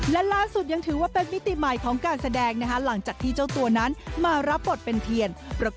และล่าสุดยังถือว่าเป็นมิติใหม่ของการแสดงหลังจากที่เจ้าตัวนั้นมารับบทเป็นเทียน